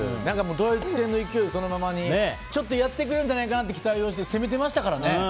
ドイツ戦の勢いそのままにちょっとやってくれるんじゃないかなって期待をして、攻めてましたからね。